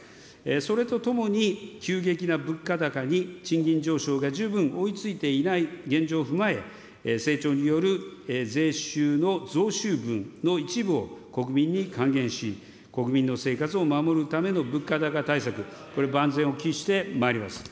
それとともに、急激な物価高に賃金上昇が十分追いついていない現状を踏まえ、成長による税収の増収分の一部を国民に還元し、国民の生活を守るための物価高対策、これを万全を期してまいります。